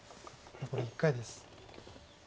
残り１回です。